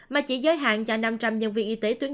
mà chỉ giới hạn cho năm trăm linh nhân viên